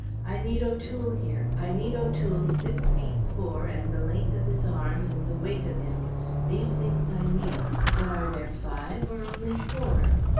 I need O'Toole here, I need O'Toole's six feet four and the length of his arm and the weight of him these things I need but are there five or only four?"